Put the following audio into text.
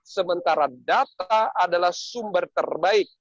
sementara data adalah sumber terbaik